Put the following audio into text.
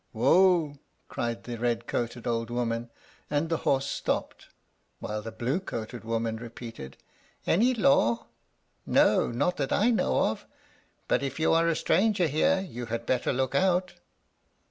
"Wo!" cried the red coated old woman, and the horse stopped, while the blue coated woman repeated, "Any law? No, not that I know of; but if you are a stranger here you had better look out."